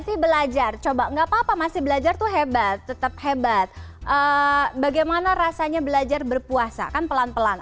tapi belajar coba nggak apa apa masih belajar tuh hebat tetap hebat bagaimana rasanya belajar berpuasa kan pelan pelan